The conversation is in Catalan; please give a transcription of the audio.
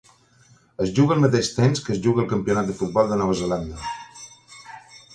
Es juga al mateix temps que es juga el Campionat de Futbol de Nova Zelanda.